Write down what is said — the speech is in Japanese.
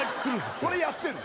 それやってんの？